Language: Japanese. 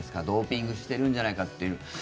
ドーピングしているんじゃないかっていう。